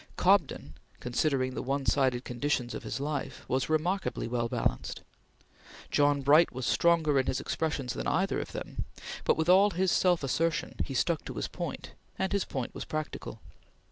Cobden, considering the one sided conditions of his life, was remarkably well balanced. John Bright was stronger in his expressions than either of them, but with all his self assertion he stuck to his point, and his point was practical.